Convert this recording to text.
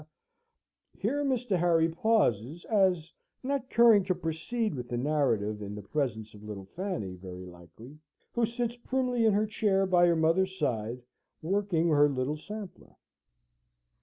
Here Mr. Harry pauses, as not caring to proceed with the narrative, in the presence of little Fanny, very likely, who sits primly in her chair by her mother's side, working her little sampler.